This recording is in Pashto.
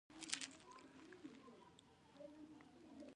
که دي چیري په هنیداره کي سړی وو تېرایستلی.